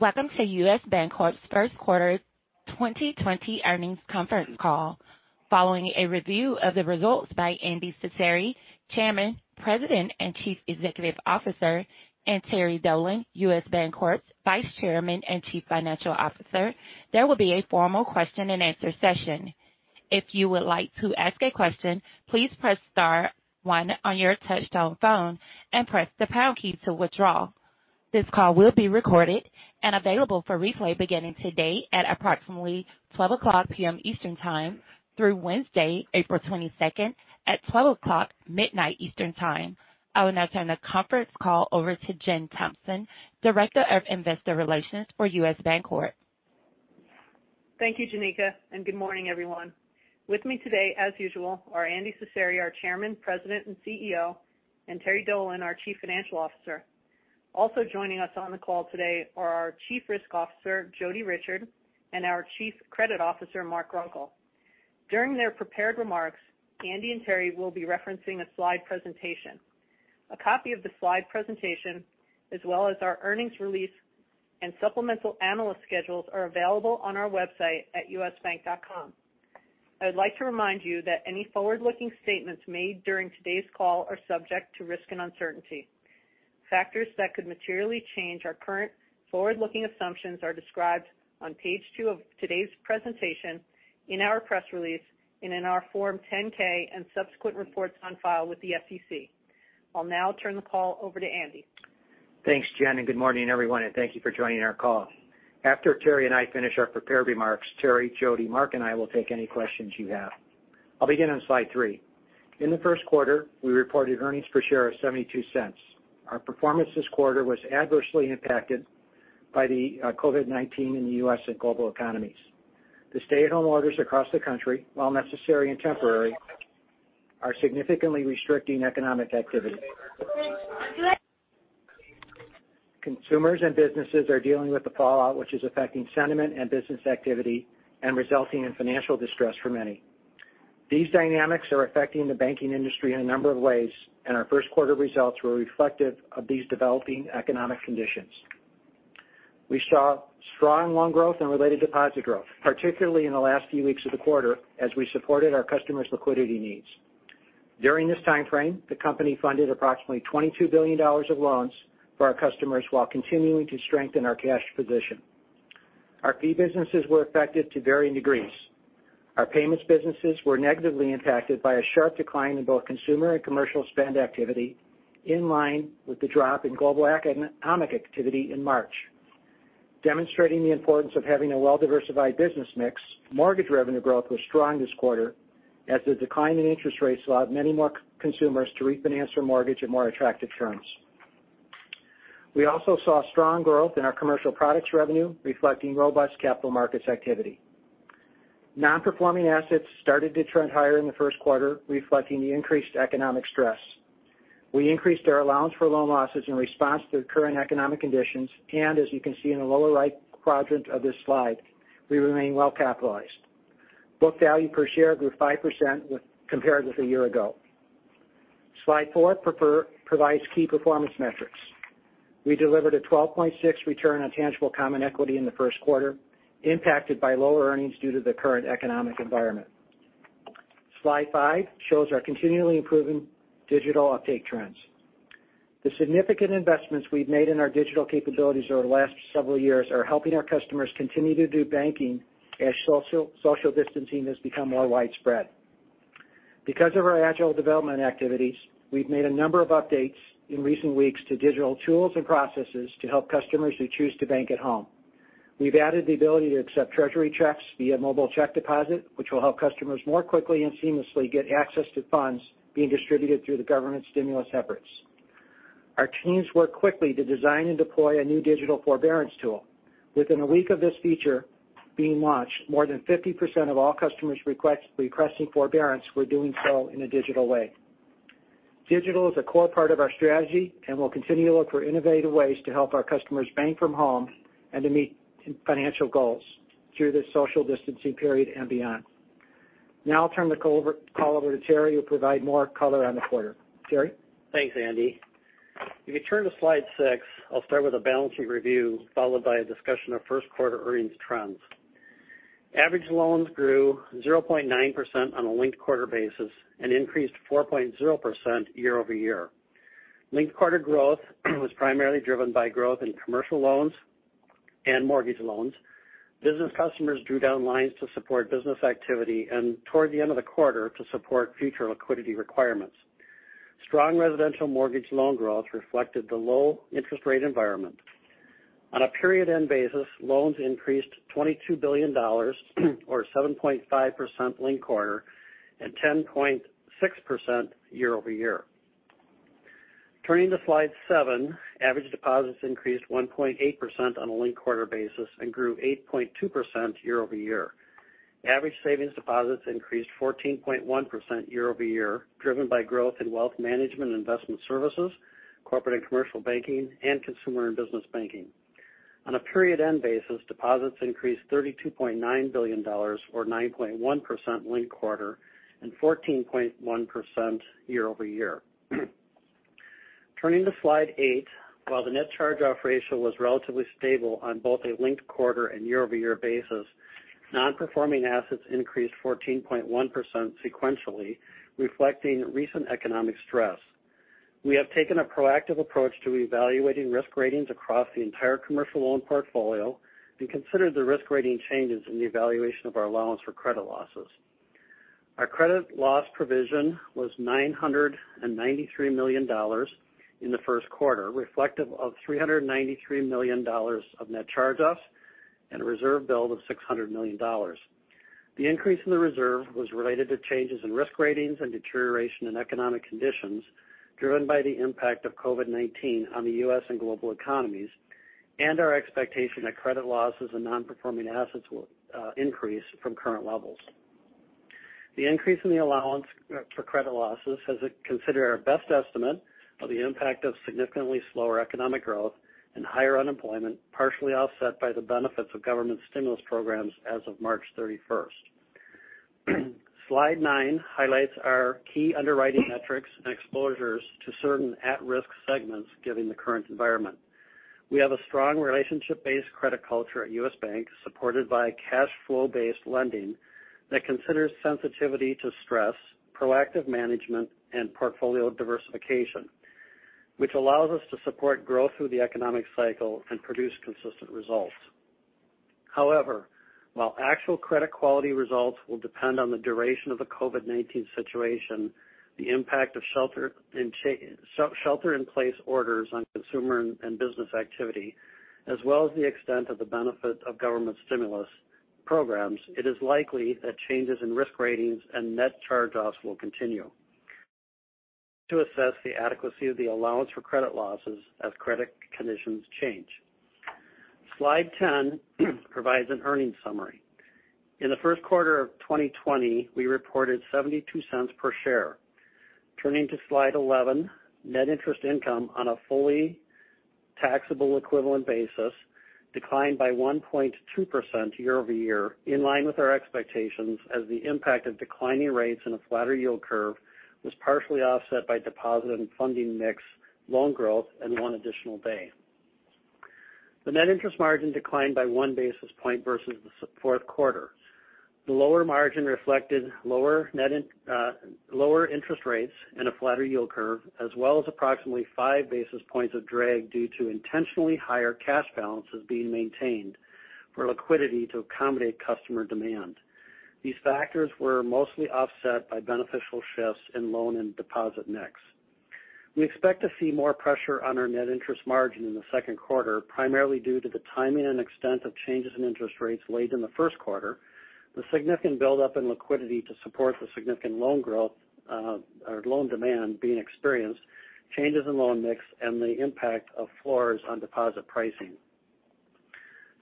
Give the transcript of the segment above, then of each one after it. Welcome to US Bancorp First Quarter 2020 Earnings Conference Call. Following a review of the results by Andy Cecere, Chairman, President, and Chief Executive Officer, and Terry Dolan, US Bancorp's Vice Chairman and Chief Financial Officer, there will be a formal question and answer session. If you would like to ask a question, please press star one on your touchtone phone and press the pound key to withdraw. This call will be recorded and available for replay beginning today at approximately 12:00 P.M. Eastern Time through Wednesday, April 22nd at 12:00 midnight Eastern Time. I will now turn the conference call over to Jen Thompson, Director of Investor Relations for US Bancorp. Thank you, Janeka, and good morning, everyone. With me today, as usual, are Andy Cecere, our Chairman, President, and CEO, and Terry Dolan, our Chief Financial Officer. Joining us on the call today are our Chief Risk Officer, Jodi Richard, and our Chief Credit Officer, Mark Runkel. During their prepared remarks, Andy and Terry will be referencing a slide presentation. A copy of the slide presentation, as well as our earnings release and supplemental analyst schedules, are available on our website at usbank.com. I would like to remind you that any forward-looking statements made during today's call are subject to risk and uncertainty. Factors that could materially change our current forward-looking assumptions are described on page two of today's presentation, in our press release, and in our Form 10-K and subsequent reports on file with the SEC. I'll now turn the call over to Andy. Thanks, Jen, and good morning, everyone, and thank you for joining our call. After Terry and I finish our prepared remarks, Terry, Jodi, Mark, and I will take any questions you have. I'll begin on slide three. In the first quarter, we reported earnings per share of $0.72. Our performance this quarter was adversely impacted by the COVID-19 in the U.S. and global economies. The stay-at-home orders across the country, while necessary and temporary, are significantly restricting economic activity. Consumers and businesses are dealing with the fallout, which is affecting sentiment and business activity and resulting in financial distress for many. These dynamics are affecting the banking industry in a number of ways, and our first quarter results were reflective of these developing economic conditions. We saw strong loan growth and related deposit growth, particularly in the last few weeks of the quarter as we supported our customers' liquidity needs. During this timeframe, the company funded approximately $22 billion of loans for our customers while continuing to strengthen our cash position. Our fee businesses were affected to varying degrees. Our payments businesses were negatively impacted by a sharp decline in both consumer and commercial spend activity, in line with the drop in global economic activity in March. Demonstrating the importance of having a well-diversified business mix, mortgage revenue growth was strong this quarter as the decline in interest rates allowed many more consumers to refinance their mortgage at more attractive terms. We also saw strong growth in our commercial products revenue, reflecting robust capital markets activity. Non-performing assets started to trend higher in the first quarter, reflecting the increased economic stress. We increased our allowance for loan losses in response to the current economic conditions, and as you can see in the lower right quadrant of this slide, we remain well-capitalized. Book value per share grew 5% compared with a year ago. Slide four provides key performance metrics. We delivered a 12.6 return on tangible common equity in the first quarter, impacted by lower earnings due to the current economic environment. Slide five shows our continually improving digital uptake trends. The significant investments we've made in our digital capabilities over the last several years are helping our customers continue to do banking as social distancing has become more widespread. Because of our agile development activities, we've made a number of updates in recent weeks to digital tools and processes to help customers who choose to bank at home. We've added the ability to accept treasury checks via mobile check deposit, which will help customers more quickly and seamlessly get access to funds being distributed through the government stimulus efforts. Our teams worked quickly to design and deploy a new digital forbearance tool. Within a week of this feature being launched, more than 50% of all customers requesting forbearance were doing so in a digital way. Digital is a core part of our strategy, and we'll continue to look for innovative ways to help our customers bank from home and to meet financial goals through this social distancing period and beyond. Now I'll turn the call over to Terry, who will provide more color on the quarter. Terry? Thanks, Andy. If you turn to slide six, I'll start with a balance sheet review followed by a discussion of first quarter earnings trends. Average loans grew 0.9% on a linked-quarter basis and increased 4.0% year-over-year. Linked-quarter growth was primarily driven by growth in commercial loans and mortgage loans. Business customers drew down lines to support business activity and toward the end of the quarter to support future liquidity requirements. Strong residential mortgage loan growth reflected the low interest rate environment. On a period-end basis, loans increased $22 billion or 7.5% linked-quarter and 10.6% year-over-year. Turning to slide seven, average deposits increased 1.8% on a linked-quarter basis and grew 8.2% year-over-year. Average savings deposits increased 14.1% year-over-year, driven by growth in wealth management and investment services, corporate and commercial banking, and consumer and business banking. On a period-end basis, deposits increased $32.9 billion or 9.1% linked-quarter and 14.1% year-over-year. Turning to slide eight. While the net charge-off ratio was relatively stable on both a linked-quarter and year-over-year basis, non-performing assets increased 14.1% sequentially, reflecting recent economic stress. We have taken a proactive approach to evaluating risk ratings across the entire commercial loan portfolio and considered the risk rating changes in the evaluation of our allowance for credit losses. Our credit loss provision was $993 million in the first quarter, reflective of $393 million of net charge-offs and a reserve build of $600 million. The increase in the reserve was related to changes in risk ratings and deterioration in economic conditions driven by the impact of COVID-19 on the U.S. and global economies and our expectation that credit losses and non-performing assets will increase from current levels. The increase in the allowance for credit losses has considered our best estimate of the impact of significantly slower economic growth and higher unemployment, partially offset by the benefits of government stimulus programs as of March 31st. Slide nine highlights our key underwriting metrics and exposures to certain at-risk segments, given the current environment. We have a strong relationship-based credit culture at US Bank, supported by cash flow-based lending that considers sensitivity to stress, proactive management and portfolio diversification, which allows us to support growth through the economic cycle and produce consistent results. However, while actual credit quality results will depend on the duration of the COVID-19 situation, the impact of shelter in place orders on consumer and business activity, as well as the extent of the benefit of government stimulus programs, it is likely that changes in risk ratings and net charge offs will continue. To assess the adequacy of the allowance for credit losses as credit conditions change. Slide 10 provides an earnings summary. In the first quarter of 2020, we reported $0.72 per share. Turning to slide 11. Net interest income on a fully taxable equivalent basis declined by 1.2% year-over-year in line with our expectations as the impact of declining rates and a flatter yield curve was partially offset by deposit and funding mix, loan growth and one additional day. The net interest margin declined by one basis point versus the fourth quarter. The lower margin reflected lower interest rates and a flatter yield curve, as well as approximately five basis points of drag due to intentionally higher cash balances being maintained for liquidity to accommodate customer demand. These factors were mostly offset by beneficial shifts in loan and deposit mix. We expect to see more pressure on our net interest margin in the second quarter, primarily due to the timing and extent of changes in interest rates late in the first quarter, the significant buildup in liquidity to support the significant loan growth or loan demand being experienced, changes in loan mix, and the impact of floors on deposit pricing.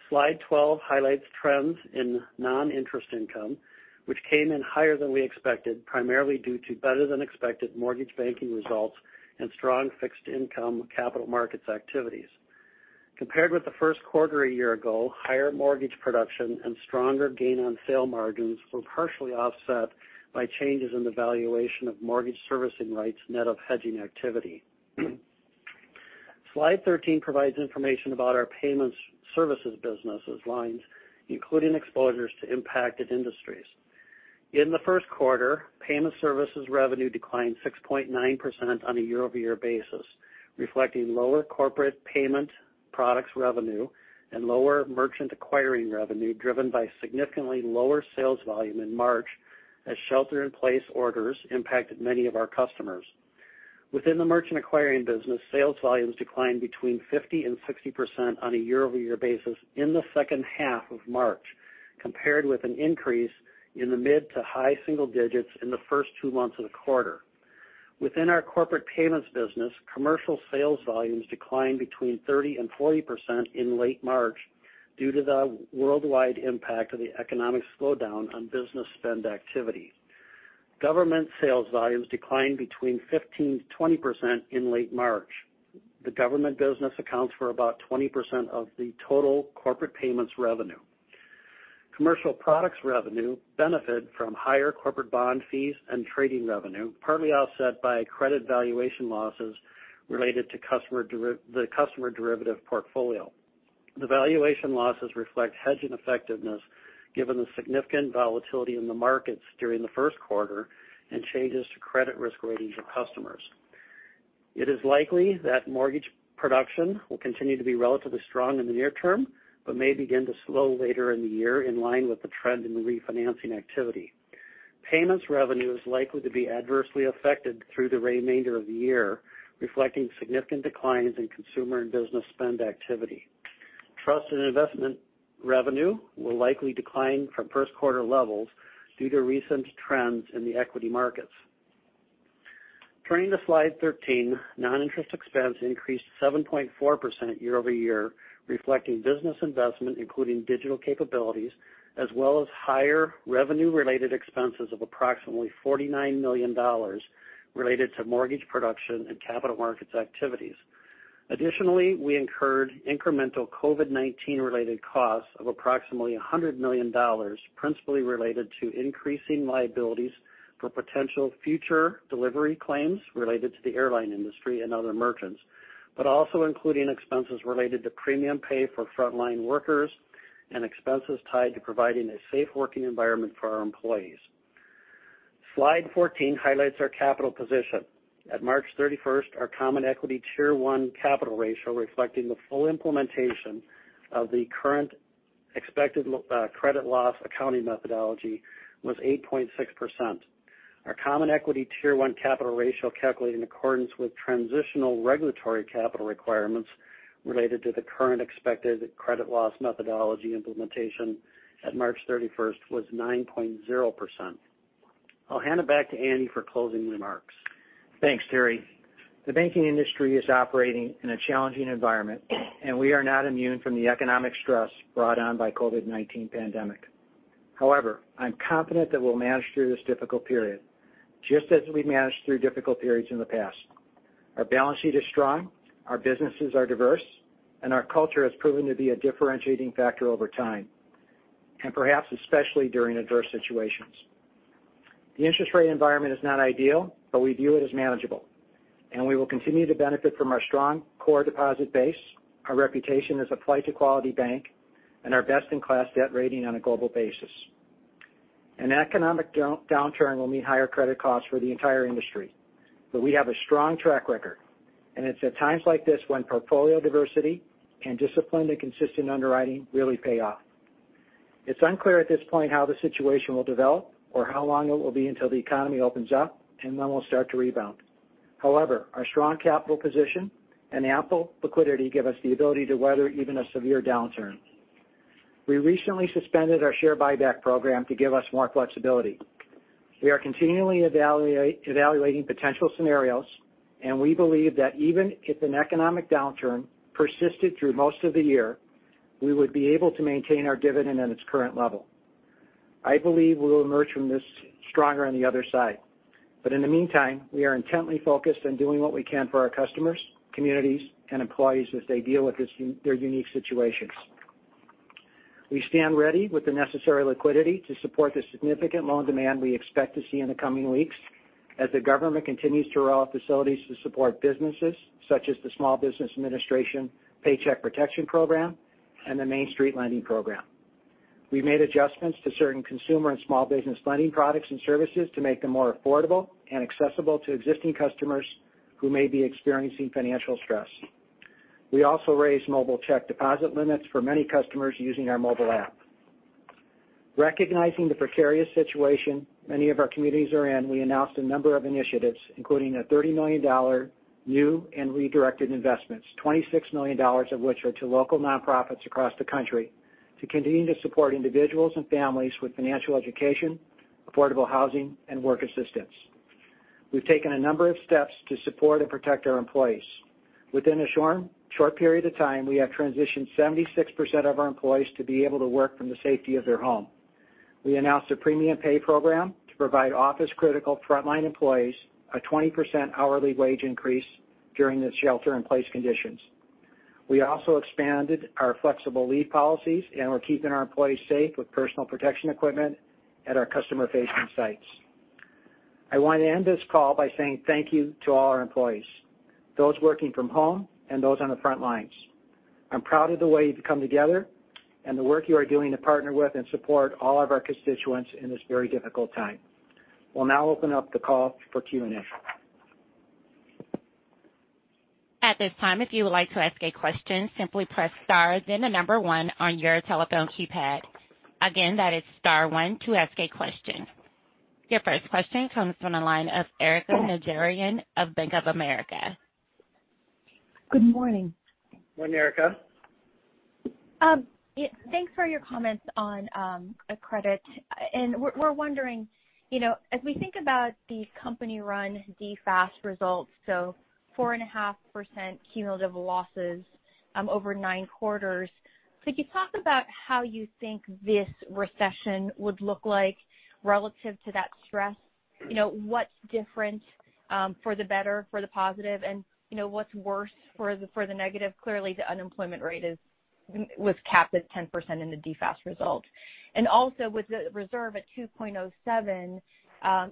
Slide 12 highlights trends in non-interest income, which came in higher than we expected, primarily due to better than expected mortgage banking results and strong fixed income capital markets activities. Compared with the first quarter a year ago, higher mortgage production and stronger gain on sale margins were partially offset by changes in the valuation of mortgage servicing rights net of hedging activity. Slide 13 provides information about our payments services business lines, including exposures to impacted industries. In the first quarter, payment services revenue declined 6.9% on a year-over-year basis, reflecting lower corporate payments products revenue and lower merchant acquiring revenue driven by significantly lower sales volume in March as shelter-in-place orders impacted many of our customers. Within the merchant acquiring business, sales volumes declined between 50%-60% on a year-over-year basis in the second half of March, compared with an increase in the mid to high single digits in the first two months of the quarter. Within our corporate payments business, commercial sales volumes declined between 30% and 40% in late March due to the worldwide impact of the economic slowdown on business spend activity. Government sales volumes declined between 15%-20% in late March. The government business accounts for about 20% of the total corporate payments revenue. Commercial products revenue benefited from higher corporate bond fees and trading revenue, partly offset by credit valuation losses related to the customer derivative portfolio. The valuation losses reflect hedging effectiveness given the significant volatility in the markets during the first quarter and changes to credit risk ratings of customers. It is likely that mortgage production will continue to be relatively strong in the near term, but may begin to slow later in the year in line with the trend in refinancing activity. Payments revenue is likely to be adversely affected through the remainder of the year, reflecting significant declines in consumer and business spend activity. Trust and investment revenue will likely decline from first quarter levels due to recent trends in the equity markets. Turning to slide 13. Non-interest expense increased 7.4% year-over-year, reflecting business investment including digital capabilities, as well as higher revenue related expenses of approximately $49 million related to mortgage production and capital markets activities. Additionally, we incurred incremental COVID-19 related costs of approximately $100 million, principally related to increasing liabilities for potential future delivery claims related to the airline industry and other merchants, but also including expenses related to premium pay for frontline workers and expenses tied to providing a safe working environment for our employees. Slide 14 highlights our capital position. At March 31st, our Common Equity Tier 1 capital ratio, reflecting the full implementation of the current expected credit loss accounting methodology, was 8.6%. Our Common Equity Tier 1 capital ratio, calculated in accordance with transitional regulatory capital requirements related to the current expected credit loss methodology implementation at March 31st, was 9.0%. I'll hand it back to Andy for closing remarks. Thanks, Terry. The banking industry is operating in a challenging environment, we are not immune from the economic stress brought on by COVID-19 pandemic. However, I'm confident that we'll manage through this difficult period, just as we've managed through difficult periods in the past. Our balance sheet is strong, our businesses are diverse, our culture has proven to be a differentiating factor over time, perhaps especially during adverse situations. The interest rate environment is not ideal, we view it as manageable, we will continue to benefit from our strong core deposit base, our reputation as a flight to quality bank, and our best-in-class debt rating on a global basis. An economic downturn will mean higher credit costs for the entire industry, we have a strong track record, it's at times like this when portfolio diversity and disciplined and consistent underwriting really pay off. It's unclear at this point how the situation will develop or how long it will be until the economy opens up and then will start to rebound. However, our strong capital position and ample liquidity give us the ability to weather even a severe downturn. We recently suspended our share buyback program to give us more flexibility. We are continually evaluating potential scenarios, and we believe that even if an economic downturn persisted through most of the year, we would be able to maintain our dividend at its current level. I believe we will emerge from this stronger on the other side. In the meantime, we are intently focused on doing what we can for our customers, communities, and employees as they deal with their unique situations. We stand ready with the necessary liquidity to support the significant loan demand we expect to see in the coming weeks, as the government continues to roll out facilities to support businesses, such as the Small Business Administration Paycheck Protection Program and the Main Street Lending Program. We've made adjustments to certain consumer and small business lending products and services to make them more affordable and accessible to existing customers who may be experiencing financial stress. We also raised mobile check deposit limits for many customers using our mobile app. Recognizing the precarious situation many of our communities are in, we announced a number of initiatives, including a $30 million new and redirected investments, $26 million of which are to local nonprofits across the country to continue to support individuals and families with financial education, affordable housing, and work assistance. We've taken a number of steps to support and protect our employees. Within a short period of time, we have transitioned 76% of our employees to be able to work from the safety of their home. We announced a premium pay program to provide office critical frontline employees a 20% hourly wage increase during the shelter-in-place conditions. We also expanded our flexible leave policies, and we're keeping our employees safe with personal protection equipment at our customer-facing sites. I want to end this call by saying thank you to all our employees, those working from home and those on the front lines. I'm proud of the way you've come together and the work you are doing to partner with and support all of our constituents in this very difficult time. We'll now open up the call for Q&A. At this time, if you would like to ask a question, simply press star, then the number one on your telephone keypad. Again, that is star one to ask a question. Your first question comes from the line of Erika Najarian of Bank of America. Good morning. Good morning, Erika. Thanks for your comments on credit. We're wondering, as we think about the company-run DFAST results, 4.5% cumulative losses over nine quarters. Could you talk about how you think this recession would look like relative to that stress? What's different for the better, for the positive? What's worse for the negative? Clearly, the unemployment rate was capped at 10% in the DFAST result. Also, with the reserve at 2.07,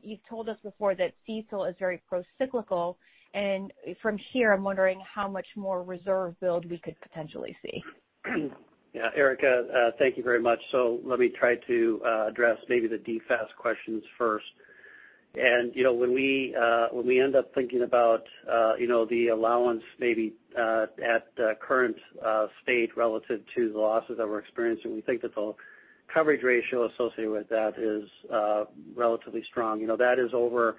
you've told us before that CECL is very pro-cyclical, and from here, I'm wondering how much more reserve build we could potentially see. Yeah, Erika, thank you very much. Let me try to address maybe the DFAST questions first. When we end up thinking about the allowance maybe at the current state relative to the losses that we're experiencing, we think that the coverage ratio associated with that is relatively strong. That is over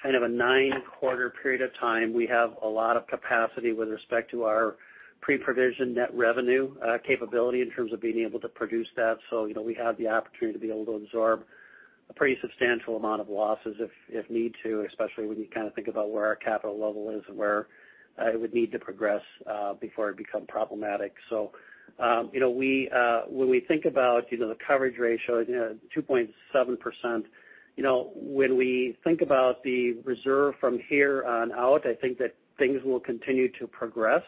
kind of a nine-quarter period of time. We have a lot of capacity with respect to our pre-provision net revenue capability in terms of being able to produce that. We have the opportunity to be able to absorb a pretty substantial amount of losses if need to, especially when you kind of think about where our capital level is and where it would need to progress before it become problematic. When we think about the coverage ratio at 2.7%, when we think about the reserve from here on out, I think that things will continue to progress.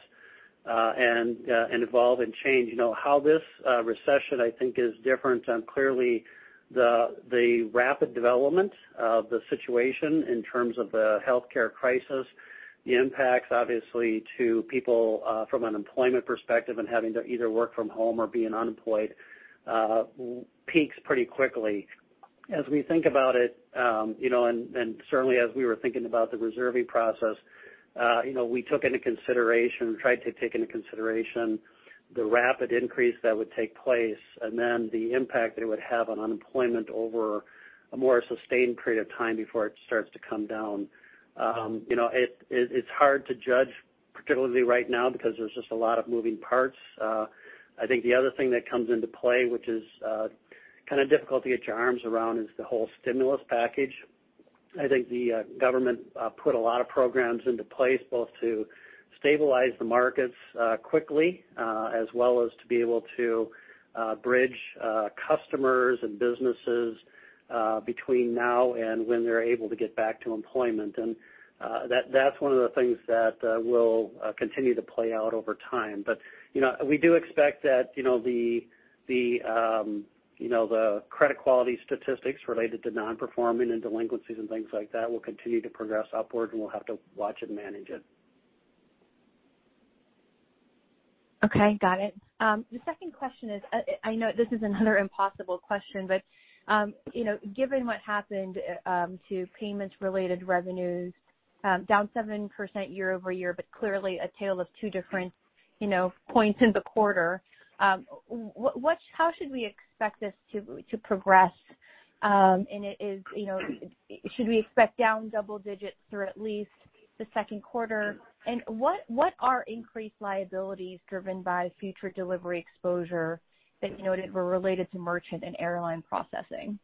Evolve and change. How this recession, I think, is different on clearly the rapid development of the situation in terms of the healthcare crisis, the impacts, obviously, to people from an employment perspective and having to either work from home or being unemployed, peaks pretty quickly. As we think about it, and certainly as we were thinking about the reserving process, we tried to take into consideration the rapid increase that would take place and then the impact it would have on unemployment over a more sustained period of time before it starts to come down. It's hard to judge, particularly right now, because there's just a lot of moving parts. I think the other thing that comes into play, which is kind of difficult to get your arms around, is the whole stimulus package. I think the government put a lot of programs into place, both to stabilize the markets quickly as well as to be able to bridge customers and businesses between now and when they're able to get back to employment. That's one of the things that will continue to play out over time. We do expect that the credit quality statistics related to non-performing and delinquencies and things like that will continue to progress upward, and we'll have to watch and manage it. Okay. Got it. The second question is, I know this is another impossible question, but given what happened to payments-related revenues, down 7% year-over-year, but clearly a tale of two different points in the quarter. How should we expect this to progress? Should we expect down double digits through at least the second quarter? What are increased liabilities driven by future delivery exposure that you noted were related to merchant and airline processing?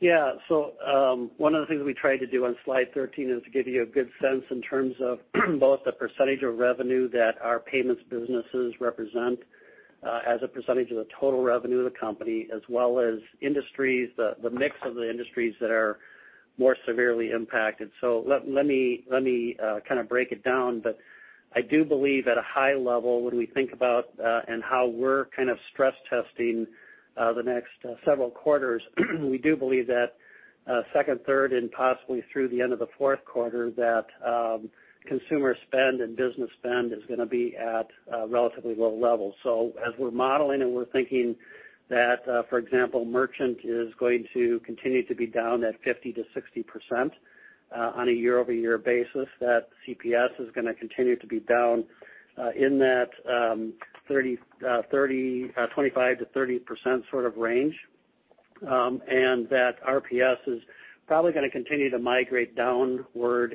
Yeah. One of the things we tried to do on slide 13 is to give you a good sense in terms of both the percentage of revenue that our payments businesses represent as a percentage of the total revenue of the company, as well as the mix of the industries that are more severely impacted. Let me kind of break it down. I do believe at a high level, when we think about and how we're kind of stress testing the next several quarters, we do believe that second, third, and possibly through the end of the fourth quarter, that consumer spend and business spend is going to be at relatively low levels. As we're modeling and we're thinking that, for example, merchant is going to continue to be down at 50%-60% on a year-over-year basis, that CPS is going to continue to be down in that 25%-30% sort of range. That RPS is probably going to continue to migrate downward.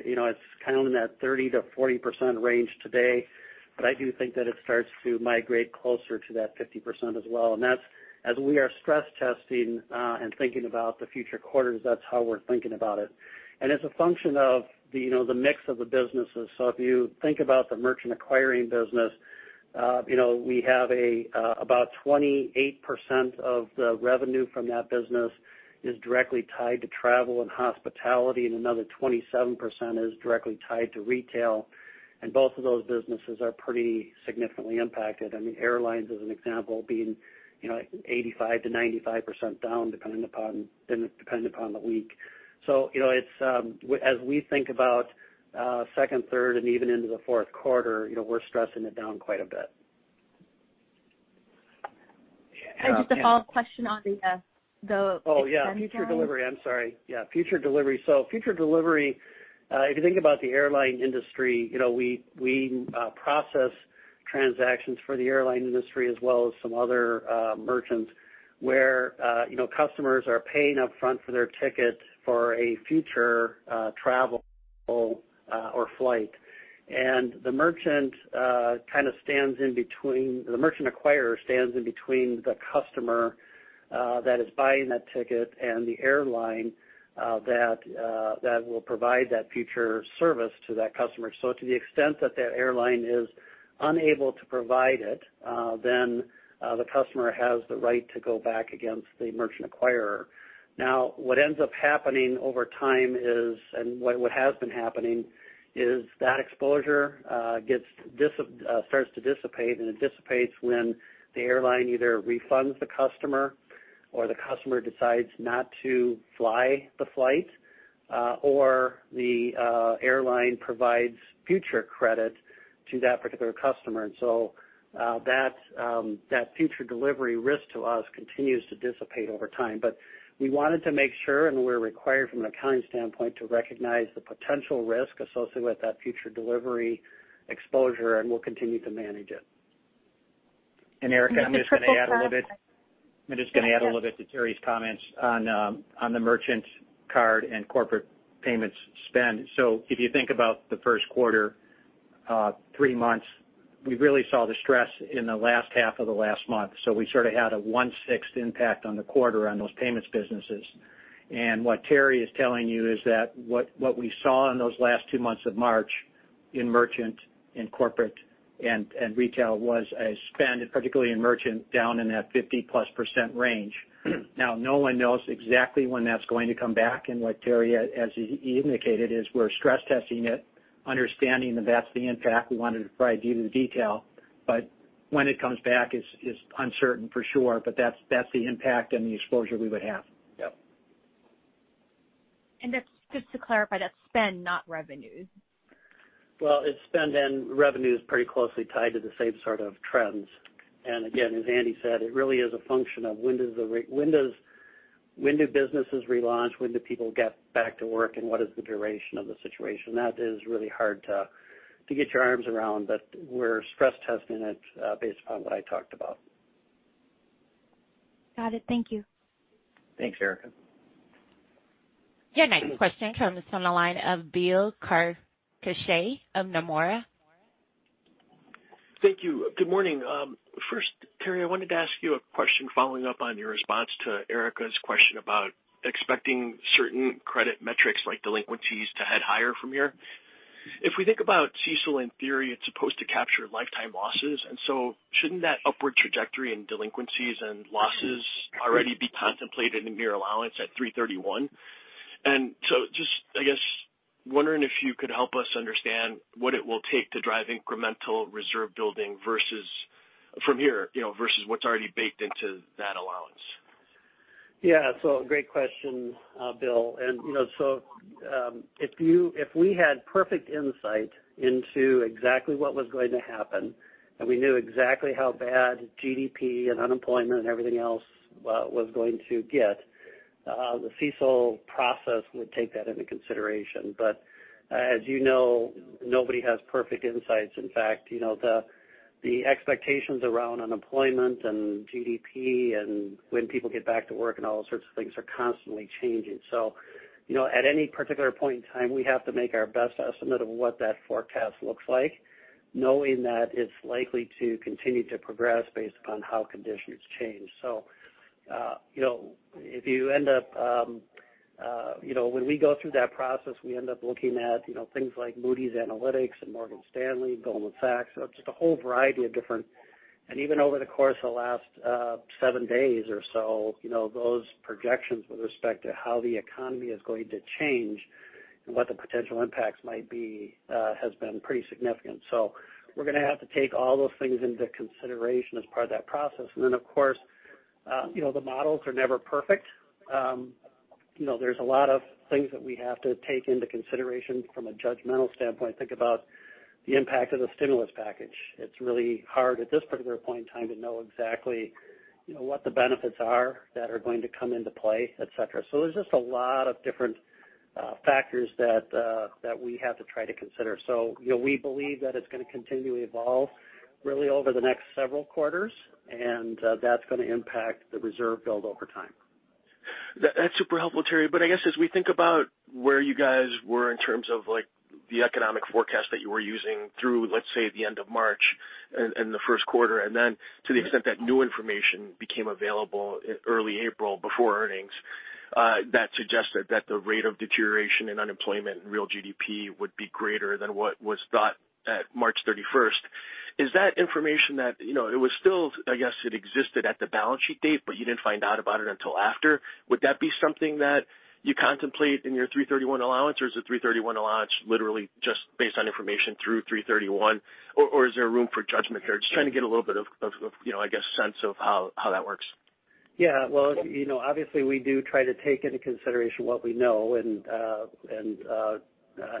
It's kind of in that 30%-40% range today, but I do think that it starts to migrate closer to that 50% as well. As we are stress testing and thinking about the future quarters, that's how we're thinking about it. It's a function of the mix of the businesses. If you think about the merchant acquiring business, we have about 28% of the revenue from that business is directly tied to travel and hospitality, and another 27% is directly tied to retail. Both of those businesses are pretty significantly impacted. I mean, airlines, as an example, being 85%-95% down, dependent upon the week. As we think about second, third, and even into the fourth quarter, we're stressing it down quite a bit. Just a follow-up question on the spend down. Oh, yeah, future delivery. I'm sorry. Yeah, future delivery. Future delivery, if you think about the airline industry, we process transactions for the airline industry as well as some other merchants where customers are paying upfront for their tickets for a future travel or flight. The merchant acquirer stands in between the customer that is buying that ticket and the airline that will provide that future service to that customer. To the extent that that airline is unable to provide it, then the customer has the right to go back against the merchant acquirer. Now, what ends up happening over time is, and what has been happening is that exposure starts to dissipate, and it dissipates when the airline either refunds the customer or the customer decides not to fly the flight, or the airline provides future credit to that particular customer. That future delivery risk to us continues to dissipate over time. We wanted to make sure, and we're required from an accounting standpoint, to recognize the potential risk associated with that future delivery exposure, and we'll continue to manage it. Just a quick one, Terry. Erika, I'm just going to add a little bit to Terry's comments on the merchant card and corporate payments spend. If you think about the first quarter, three months, we really saw the stress in the last half of the last month. We sort of had a one-sixth impact on the quarter on those payments businesses. What Terry is telling you is that what we saw in those last two months of March in merchant, in corporate, and retail was a spend, particularly in merchant, down in that +50% range. Now, no one knows exactly when that's going to come back. What Terry, as he indicated, is we're stress testing it, understanding that that's the impact. We wanted to provide you the detail. When it comes back is uncertain for sure, but that's the impact and the exposure we would have. Yep. Just to clarify, that's spend, not revenues. Well, it's spend and revenues pretty closely tied to the same sort of trends. Again, as Andy said, it really is a function of when do businesses relaunch, when do people get back to work, and what is the duration of the situation? That is really hard to get your arms around, but we're stress testing it based upon what I talked about. Got it. Thank you. Thanks, Erika. Your next question comes from the line of Bill Carcache of Nomura. Thank you. Good morning. First, Terry, I wanted to ask you a question following up on your response to Erika's question about expecting certain credit metrics like delinquencies to head higher from here. If we think about CECL, in theory, it's supposed to capture lifetime losses, shouldn't that upward trajectory in delinquencies and losses already be contemplated in your allowance at 3/31? Just, I guess, wondering if you could help us understand what it will take to drive incremental reserve building from here, versus what's already baked into that allowance. Yeah. Great question, Bill. If we had perfect insight into exactly what was going to happen, and we knew exactly how bad GDP and unemployment and everything else was going to get, the CECL process would take that into consideration. As you know, nobody has perfect insights. In fact, the expectations around unemployment and GDP and when people get back to work and all sorts of things are constantly changing. At any particular point in time, we have to make our best estimate of what that forecast looks like, knowing that it's likely to continue to progress based upon how conditions change. When we go through that process, we end up looking at things like Moody's Analytics and Morgan Stanley and Goldman Sachs, just a whole variety of different. Even over the course of the last seven days or so, those projections with respect to how the economy is going to change and what the potential impacts might be has been pretty significant. We're going to have to take all those things into consideration as part of that process. Then, of course, the models are never perfect. There's a lot of things that we have to take into consideration from a judgmental standpoint. Think about the impact of the stimulus package. It's really hard at this particular point in time to know exactly what the benefits are that are going to come into play, et cetera. There's just a lot of different factors that we have to try to consider. We believe that it's going to continually evolve really over the next several quarters, and that's going to impact the reserve build over time. That's super helpful, Terry. I guess as we think about where you guys were in terms of the economic forecast that you were using through, let's say, the end of March and the first quarter, to the extent that new information became available in early April before earnings, that suggested that the rate of deterioration in unemployment and real GDP would be greater than what was thought at March 31st. Is that information that it was still, I guess it existed at the balance sheet date, but you didn't find out about it until after? Would that be something that you contemplate in your 331 allowance, or is the 331 allowance literally just based on information through 331? Is there room for judgment there? Just trying to get a little bit of, I guess, sense of how that works. Yeah. Well, obviously we do try to take into consideration what we know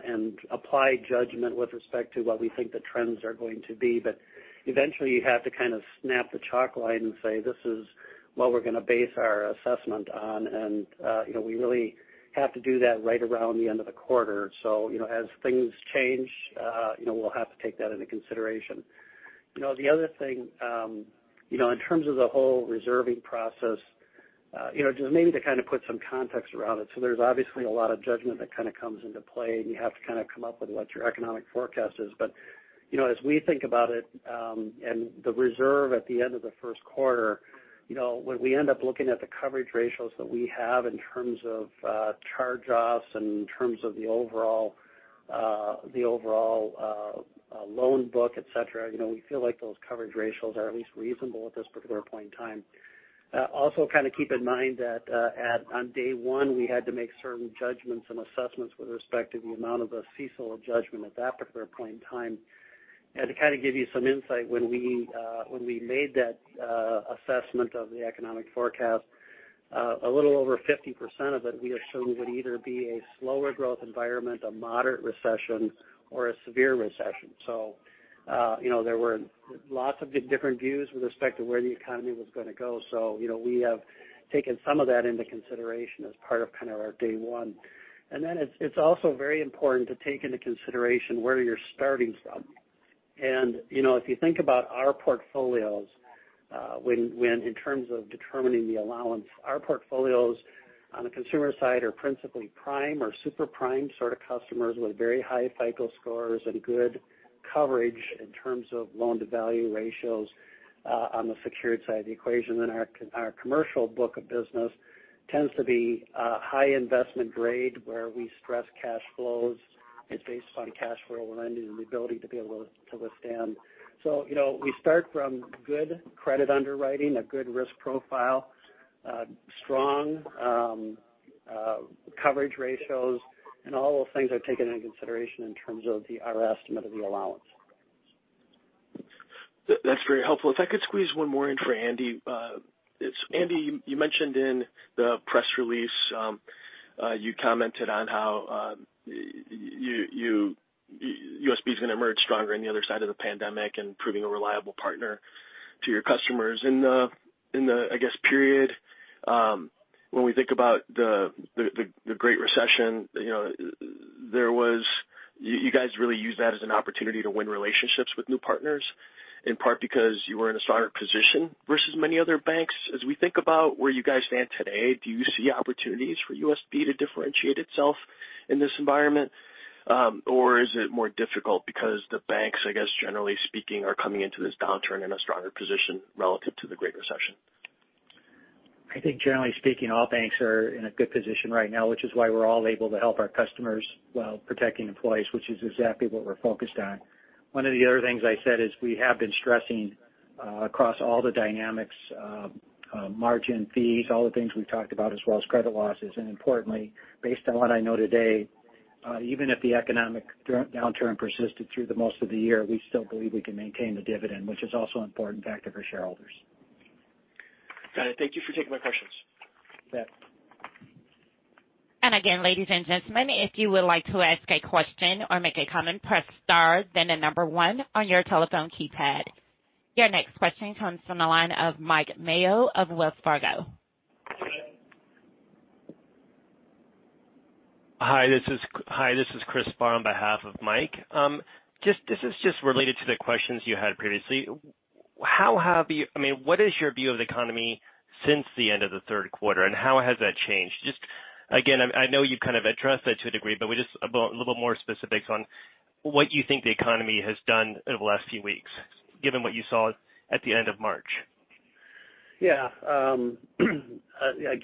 and apply judgment with respect to what we think the trends are going to be. Eventually you have to kind of snap the chalk line and say, "This is what we're going to base our assessment on." We really have to do that right around the end of the quarter. As things change we'll have to take that into consideration. The other thing in terms of the whole reserving process, just maybe to kind of put some context around it. There's obviously a lot of judgment that kind of comes into play, and you have to kind of come up with what your economic forecast is. As we think about it and the reserve at the end of the first quarter, when we end up looking at the coverage ratios that we have in terms of charge-offs and in terms of the overall loan book, et cetera, we feel like those coverage ratios are at least reasonable at this particular point in time. Also kind of keep in mind that on day one, we had to make certain judgments and assessments with respect to the amount of a CECL judgment at that particular point in time. To kind of give you some insight, when we made that assessment of the economic forecast, a little over 50% of it we assumed would either be a slower growth environment, a moderate recession, or a severe recession. There were lots of different views with respect to where the economy was going to go. We have taken some of that into consideration as part of kind of our day one. It's also very important to take into consideration where you're starting from. If you think about our portfolios when in terms of determining the allowance, our portfolios on the consumer side are principally prime or super prime sort of customers with very high FICO scores and good coverage in terms of loan-to-value ratios on the secured side of the equation. Our commercial book of business tends to be high investment grade where we stress cash flows. It's based on cash flow lending and the ability to be able to withstand. We start from good credit underwriting, a good risk profile, strong coverage ratios and all those things are taken into consideration in terms of our estimate of the allowance. That's very helpful. If I could squeeze one more in for Andy. Andy, you mentioned in the press release, you commented on how USB is going to emerge stronger on the other side of the pandemic and proving a reliable partner to your customers. In the, I guess, period, when we think about the Great Recession, you guys really used that as an opportunity to win relationships with new partners, in part because you were in a stronger position versus many other banks. As we think about where you guys stand today, do you see opportunities for USB to differentiate itself in this environment? Is it more difficult because the banks, I guess, generally speaking, are coming into this downturn in a stronger position relative to the Great Recession? I think generally speaking, all banks are in a good position right now, which is why we're all able to help our customers while protecting employees, which is exactly what we're focused on. One of the other things I said is we have been stressing across all the dynamics, margin fees, all the things we've talked about as well as credit losses. Importantly, based on what I know today, even if the economic downturn persisted through the most of the year, we still believe we can maintain the dividend, which is also important factor for shareholders. Got it. Thank you for taking my questions. You bet. Again, ladies and gentlemen, if you would like to ask a question or make a comment, press star, then the number one on your telephone keypad. Your next question comes from the line of Mike Mayo of Wells Fargo. Hi, this is Christopher Barr on behalf of Mike. This is just related to the questions you had previously. What is your view of the economy since the end of the third quarter, and how has that changed? Just again, I know you've kind of addressed that to a degree, but just a little more specifics on what you think the economy has done over the last few weeks, given what you saw at the end of March. Yeah. I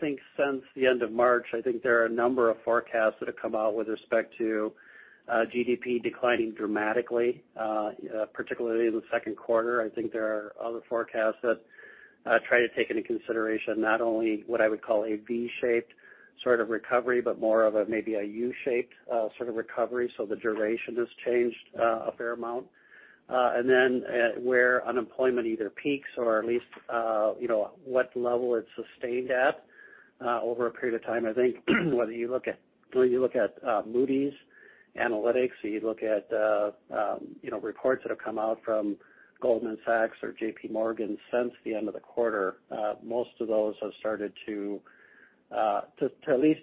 think since the end of March, I think there are a number of forecasts that have come out with respect to GDP declining dramatically particularly in the second quarter. I think there are other forecasts that try to take into consideration not only what I would call a V-shaped sort of recovery, but more of a maybe a U-shaped sort of recovery. The duration has changed a fair amount. Where unemployment either peaks or at least what level it's sustained at over a period of time. I think whether you look at Moody's Analytics or you look at reports that have come out from Goldman Sachs or JPMorgan since the end of the quarter, most of those have started to at least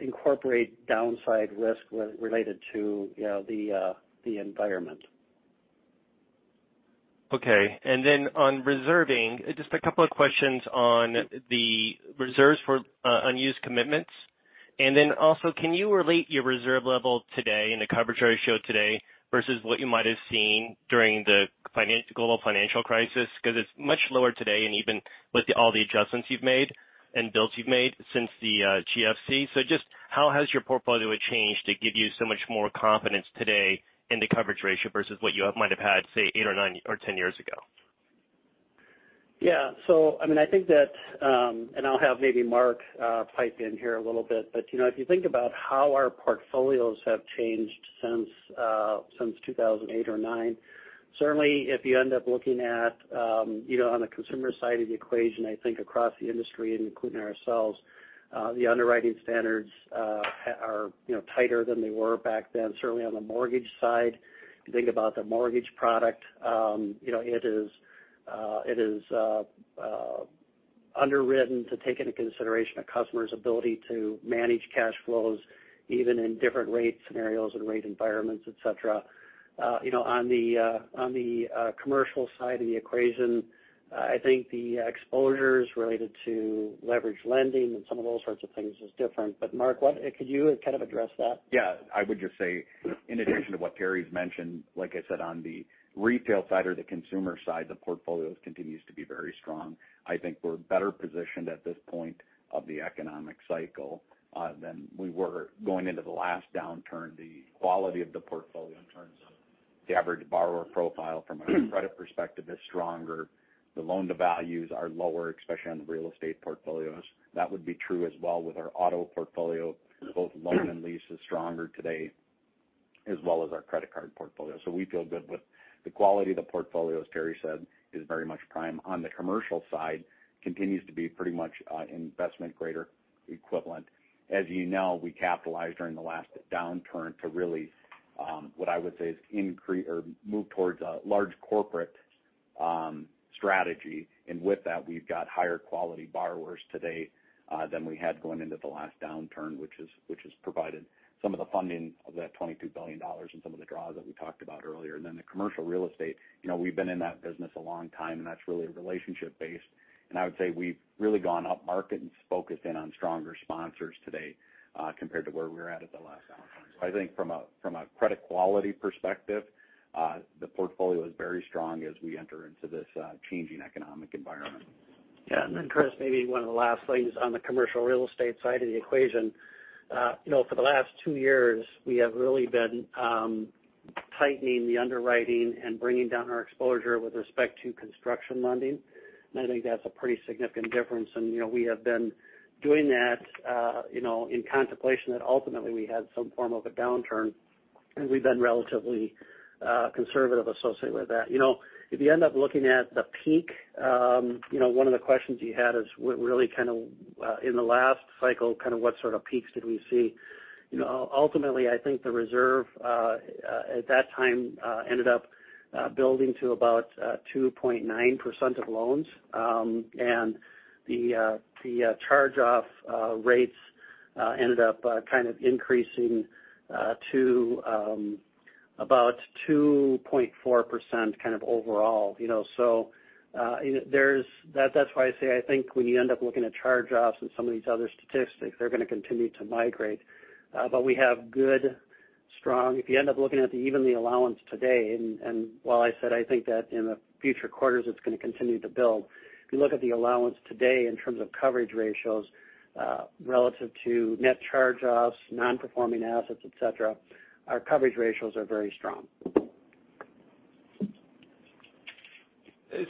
incorporate downside risk related to the environment. Okay. On reserving, just a couple of questions on the reserves for unused commitments. Also, can you relate your reserve level today and the coverage ratio today versus what you might have seen during the global financial crisis? Because it's much lower today and even with all the adjustments you've made and builds you've made since the GFC. Just how has your portfolio changed to give you so much more confidence today in the coverage ratio versus what you might have had, say, eight or nine or 10 years ago? Yeah. I think that, and I'll have maybe Mark pipe in here a little bit, but if you think about how our portfolios have changed since 2008 or 2009, certainly if you end up looking at on the consumer side of the equation, I think across the industry and including ourselves, the underwriting standards are tighter than they were back then. Certainly on the mortgage side, if you think about the mortgage product it is underwritten to take into consideration a customer's ability to manage cash flows even in different rate scenarios and rate environments, et cetera. On the commercial side of the equation, I think the exposures related to leverage lending and some of those sorts of things is different. Mark, could you kind of address that? Yeah, I would just say in addition to what Terry's mentioned, like I said, on the retail side or the consumer side, the portfolios continues to be very strong. I think we're better positioned at this point of the economic cycle than we were going into the last downturn. The quality of the portfolio in terms of the average borrower profile from a credit perspective is stronger. The loan-to-values are lower, especially on the real estate portfolios. That would be true as well with our auto portfolio. Both loan and lease is stronger today as well as our credit card portfolio. We feel good with the quality of the portfolios, Terry said, is very much prime. On the commercial side, continues to be pretty much investment grade equivalent. As you know, we capitalized during the last downturn to really, what I would say is move towards a large corporate strategy. With that, we've got higher quality borrowers today than we had going into the last downturn, which has provided some of the funding of that $22 billion and some of the draws that we talked about earlier. The commercial real estate, we've been in that business a long time, and that's really relationship based. I would say we've really gone up market and focused in on stronger sponsors today compared to where we were at at the last downturn. I think from a credit quality perspective, the portfolio is very strong as we enter into this changing economic environment. Yeah. Chris, maybe one of the last things on the commercial real estate side of the equation. For the last two years, we have really been tightening the underwriting and bringing down our exposure with respect to construction lending. I think that's a pretty significant difference. We have been doing that in contemplation that ultimately we had some form of a downturn, and we've been relatively conservative associated with that. If you end up looking at the peak, one of the questions you had is what really kind of, in the last cycle, what sort of peaks did we see? I think the reserve at that time ended up building to about 2.9% of loans. The charge-off rates ended up increasing to about 2.4% overall. That's why I say I think when you end up looking at charge-offs and some of these other statistics, they're going to continue to migrate. We have good, strong. If you end up looking at even the allowance today, and while I said I think that in the future quarters it's going to continue to build, if you look at the allowance today in terms of coverage ratios relative to net charge-offs, non-performing assets, et cetera, our coverage ratios are very strong.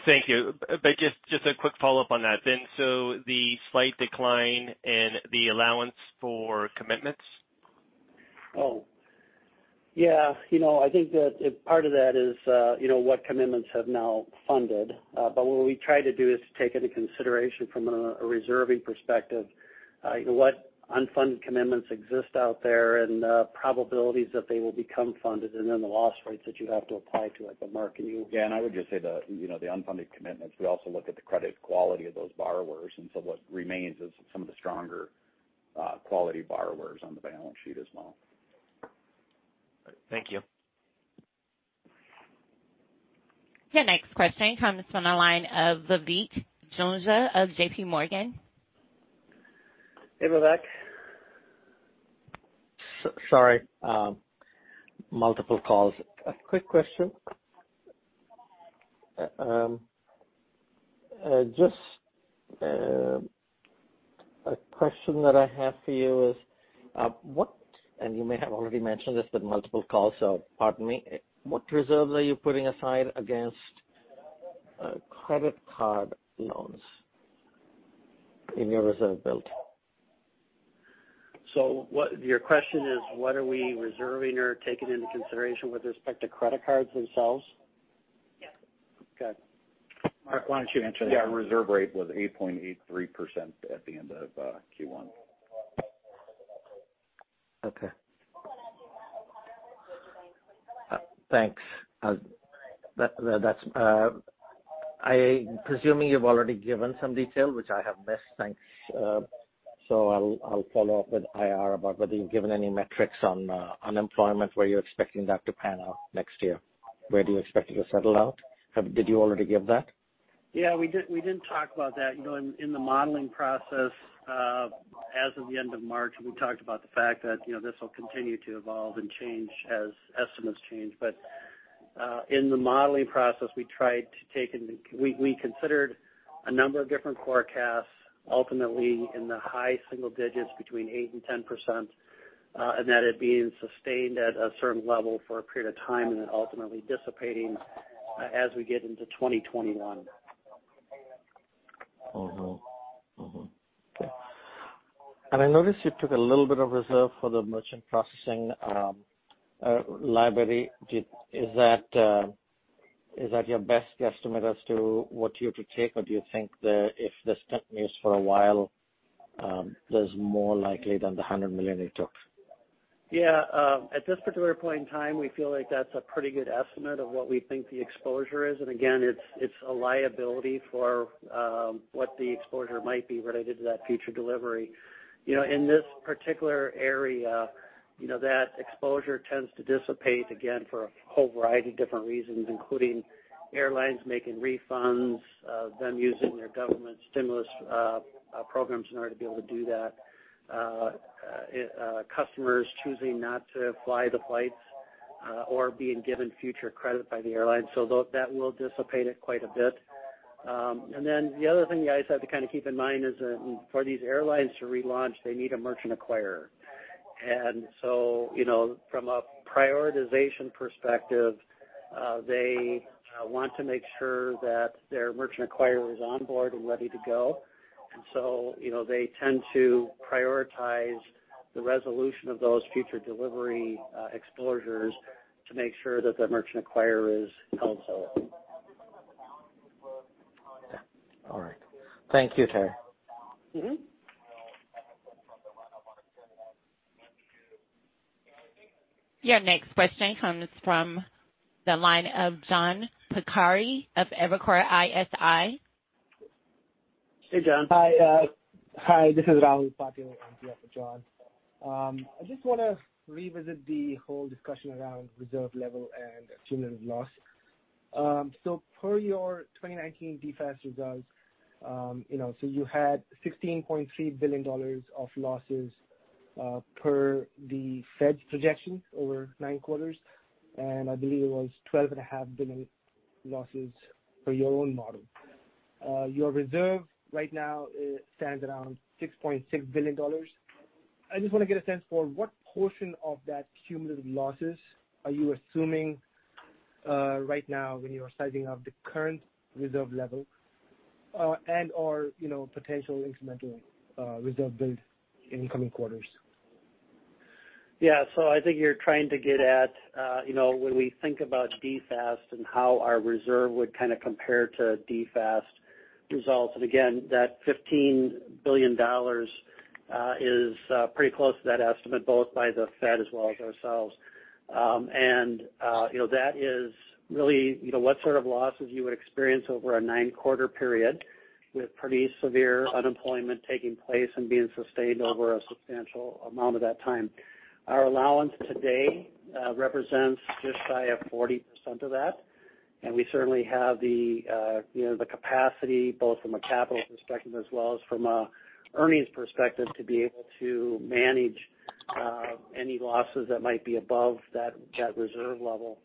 Thank you. Just a quick follow-up on that. The slight decline in the allowance for commitments? Yeah. I think that part of that is what commitments have now funded. What we try to do is take into consideration from a reserving perspective what unfunded commitments exist out there and the probabilities that they will become funded, and then the loss rates that you have to apply to it. Mark, are you- Yeah, I would just say the unfunded commitments, we also look at the credit quality of those borrowers. What remains is some of the stronger quality borrowers on the balance sheet as well. Thank you. Your next question comes from the line of Vivek Juneja of JPMorgan. Hey, Vivek. Sorry. Multiple calls. A quick question. Just a question that I have for you is what, and you may have already mentioned this, but multiple calls, so pardon me. What reserve are you putting aside against credit card loans in your reserve build? Your question is what are we reserving or taking into consideration with respect to credit cards themselves? Yes. Okay. Mark, why don't you answer that? Yeah, reserve rate was 8.83% at the end of Q1. Okay. Thanks. I presuming you've already given some detail which I have missed. Thanks. I'll follow up with IR about whether you've given any metrics on unemployment, where you're expecting that to pan out next year. Where do you expect it to settle out? Did you already give that? Yeah, we didn't talk about that. In the modeling process as of the end of March, we talked about the fact that this will continue to evolve and change as estimates change. In the modeling process, we considered a number of different forecasts ultimately in the high single digits between 8% and 10%, and that it being sustained at a certain level for a period of time and then ultimately dissipating as we get into 2021. Okay. I noticed you took a little bit of reserve for the merchant processing liability. Is that your best guesstimate as to what you have to take, or do you think that if this continues for a while there's more likely than the $100 million you took? Yeah. At this particular point in time, we feel like that's a pretty good estimate of what we think the exposure is. It's a liability for what the exposure might be related to that future delivery. In this particular area, that exposure tends to dissipate again for a whole variety of different reasons, including airlines making refunds, them using their government stimulus programs in order to be able to do that. Customers choosing not to fly the flights or being given future credit by the airlines. That will dissipate it quite a bit. The other thing you guys have to kind of keep in mind is for these airlines to relaunch, they need a merchant acquirer. From a prioritization perspective, they want to make sure that their merchant acquirer is on board and ready to go. They tend to prioritize the resolution of those future delivery exposures to make sure that the merchant acquirer is also. Okay. All right. Thank you, Terry. Your next question comes from the line of John Pancari of Evercore ISI. Hey, John. Hi. This is Rahul Patil in for John. I just want to revisit the whole discussion around reserve level and cumulative loss. Per your 2019 DFAST results, you had $16.3 billion of losses per the Fed's projection over nine quarters, and I believe it was $12.5 billion losses for your own model. Your reserve right now stands around $6.6 billion. I just want to get a sense for what portion of that cumulative losses are you assuming right now when you are sizing up the current reserve level and/or potential incremental reserve build in coming quarters? Yeah. I think you're trying to get at when we think about DFAST and how our reserve would kind of compare to DFAST results. Again, that $15 billion is pretty close to that estimate, both by the Fed as well as ourselves. That is really what sort of losses you would experience over a nine-quarter period with pretty severe unemployment taking place and being sustained over a substantial amount of that time. Our allowance today represents just shy of 40% of that, and we certainly have the capacity, both from a capital perspective as well as from an earnings perspective, to be able to manage any losses that might be above that reserve level.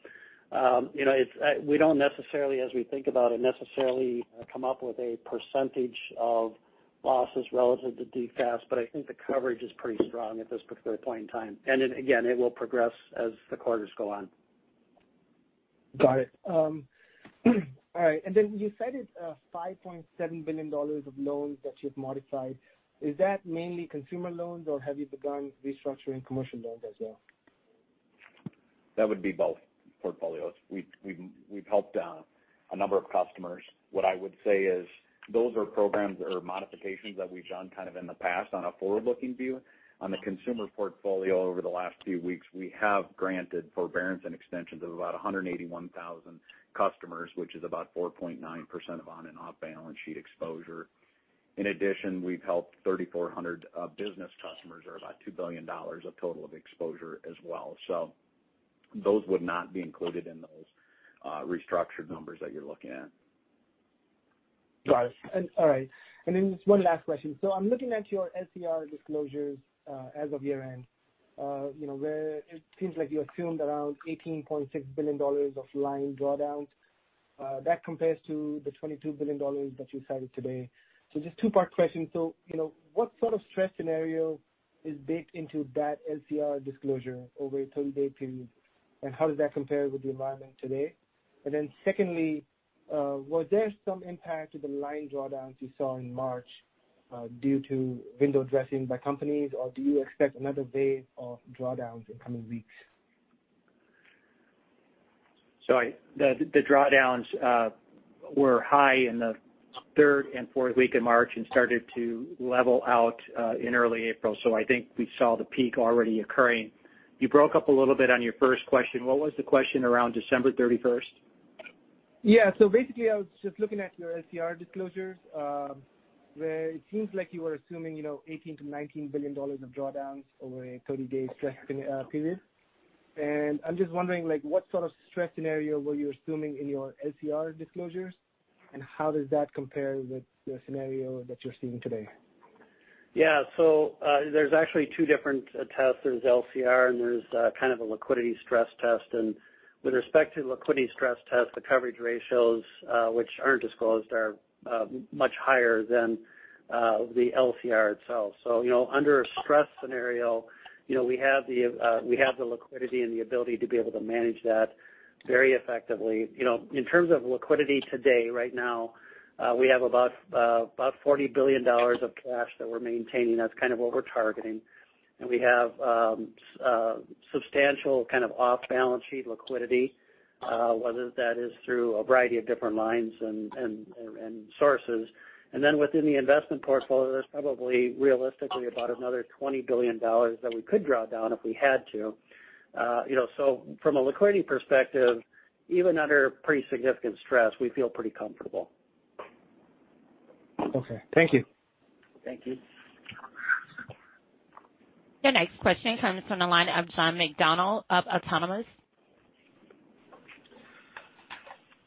We don't necessarily, as we think about it, necessarily come up with a percentage of losses relative to DFAST, but I think the coverage is pretty strong at this particular point in time. Again, it will progress as the quarters go on. Got it. All right. You cited $5.7 billion of loans that you've modified. Is that mainly consumer loans, or have you begun restructuring commercial loans as well? That would be both portfolios. We've helped a number of customers. What I would say is those are programs or modifications that we've done kind of in the past on a forward-looking view. On the consumer portfolio over the last few weeks, we have granted forbearance and extensions of about 181,000 customers, which is about 4.9% of on and off-balance sheet exposure. In addition, we've helped 3,400 business customers or about $2 billion of total of exposure as well. Those would not be included in those restructured numbers that you're looking at. Got it. All right. Just one last question. I'm looking at your LCR disclosures as of year-end where it seems like you assumed around $18.6 billion of line drawdowns. That compares to the $22 billion that you cited today. Just a two-part question. What sort of stress scenario is baked into that LCR disclosure over a 30-day period, and how does that compare with the environment today? Secondly, was there some impact to the line drawdowns you saw in March due to window dressing by companies, or do you expect another wave of drawdowns in coming weeks? The drawdowns were high in the third and fourth week of March and started to level out in early April. I think we saw the peak already occurring. You broke up a little bit on your first question. What was the question around December 31st? Yeah. Basically, I was just looking at your LCR disclosures, where it seems like you were assuming $18 billion-$19 billion of drawdowns over a 30-day stress period. I'm just wondering what sort of stress scenario were you assuming in your LCR disclosures, and how does that compare with the scenario that you're seeing today? Yeah. There's actually two different tests. There's LCR, and there's kind of a liquidity stress test. With respect to liquidity stress test, the coverage ratios, which aren't disclosed, are much higher than the LCR itself. Under a stress scenario, we have the liquidity and the ability to be able to manage that very effectively. In terms of liquidity today, right now, we have about $40 billion of cash that we're maintaining. That's kind of what we're targeting. We have substantial kind of off-balance sheet liquidity whether that is through a variety of different lines and sources. Within the investment portfolio, there's probably realistically about another $20 billion that we could draw down if we had to. From a liquidity perspective, even under pretty significant stress, we feel pretty comfortable. Okay. Thank you. Thank you. Your next question comes from the line of John McDonald of Autonomous.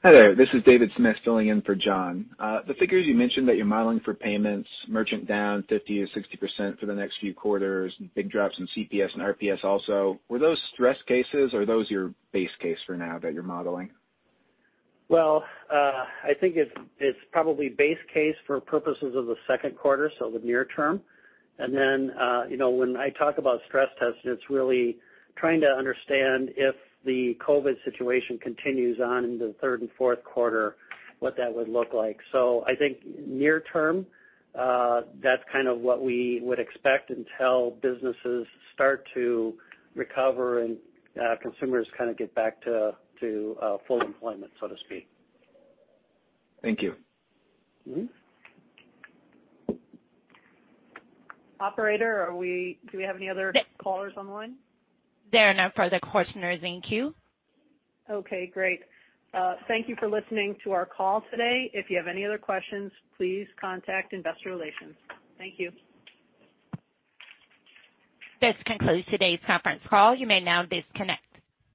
Hi there. This is David Smith filling in for John. The figures you mentioned that you're modeling for payments, merchant down 50%-60% for the next few quarters and big drops in CPS and RPS also, were those stress cases or are those your base case for now that you're modeling? Well, I think it's probably base case for purposes of the second quarter, so the near term. When I talk about stress testing, it's really trying to understand if the COVID situation continues on into the third and fourth quarter, what that would look like. I think near term, that's kind of what we would expect until businesses start to recover and consumers kind of get back to full employment, so to speak. Thank you. Operator, do we have any other callers on the line? There are no further questioners in queue. Okay, great. Thank you for listening to our call today. If you have any other questions, please contact Investor Relations. Thank you. This concludes today's conference call. You may now disconnect.